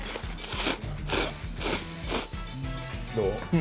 どう？